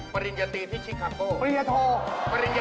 สวยไหมคะสวยไหมคะ